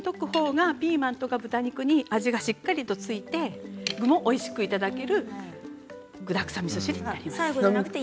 みそを最初に溶く方がピーマンや豚肉に味がしっかりとついて具もおいしくいただける具だくさんみそ汁になります。